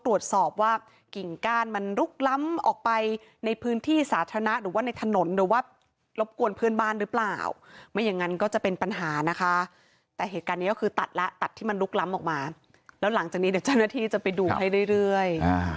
รบกวนเพื่อนบ้านหรือเปล่าไม่อย่างงั้นก็จะเป็นปัญหานะคะแต่เหตุการณ์นี้ก็คือตัดละตัดที่มันลุกล้ำออกมาแล้วหลังจากนี้เดี๋ยวเจ้าหน้าที่จะไปดูให้เรื่อยเรื่อย